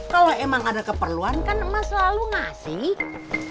kalau emang ada keperluan kan emas selalu ngasih